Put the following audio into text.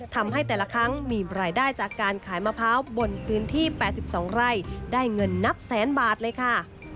ที่๘๒ไร่ได้เงินนับแสนบาทเลยค่ะ